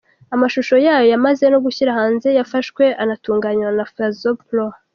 Amashusho yayo yamaze no gushyira hanze yafashwe anatunganywa na Fayzo Pro.